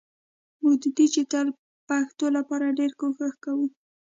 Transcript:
مونږ د ډیجېټل پښتو لپاره ډېر کوښښ کوو